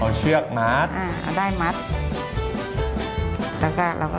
แล้วเราก็ขโมดนะครับ